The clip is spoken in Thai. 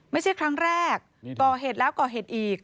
ไม่ใช่ครั้งแรกก่อเหตุแล้วก่อเหตุอีก